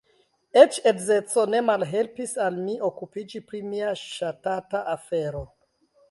Eĉ edzeco ne malhelpis al mi okupiĝi pri mia ŝatata afero.